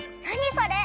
それ！